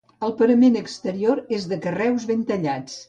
El parament exterior és de carreus ben tallats.